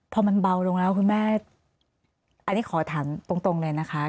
พอมันเบาลงแล้วคุณแม่อันนี้ขอถามตรงเลยนะคะ